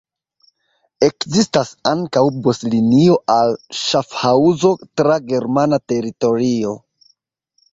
Ekzistas ankaŭ buslinio al Ŝafhaŭzo tra germana teritorio.